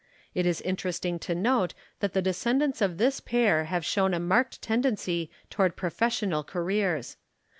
It is interesting to note that the descendants of this pair have shown a marked tendency toward professional careers.